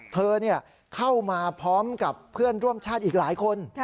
เธอเข้ามาพร้อมกับเพื่อนร่วมชาติอีกหลายคน